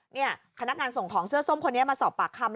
นี่พนักงานส่งของเสื้อส้มคนนี้มาสอบปากคำ